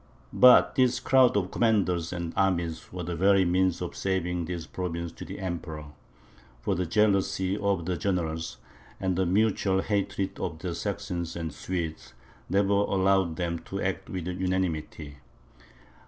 But this crowd of commanders and armies was the very means of saving this province to the Emperor; for the jealousy of the generals, and the mutual hatred of the Saxons and the Swedes, never allowed them to act with unanimity.